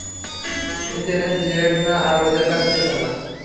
কিন্তু এখানে ফিরে এসো না, আর ওদের কাছে এসো না।